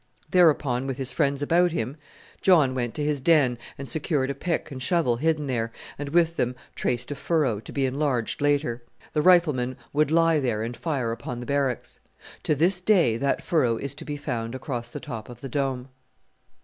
Thereupon, with his friends about him, John went to his den and secured a pick and shovel hidden there, and with them traced a furrow, to be enlarged later. The riflemen would lie there and fire upon the Barracks. To this day that furrow is to be found across the top of the Dome.